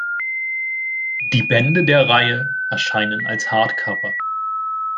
Die Bände der Reihe erschienen als Hardcover.